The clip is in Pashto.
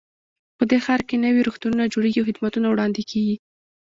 په دې ښار کې نوي روغتونونه جوړیږي او خدمتونه وړاندې کیږي